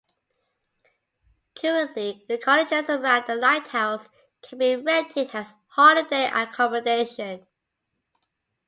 Currently, the cottages around the lighthouse can be rented as holiday accommodation.